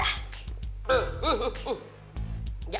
nggak apa apa dah